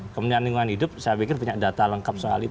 kemudian lingkungan hidup saya pikir punya data lengkap soal itu